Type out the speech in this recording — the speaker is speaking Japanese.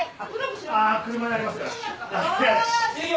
車にありますから。